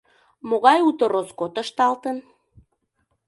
Могай уто роскот ышталтын?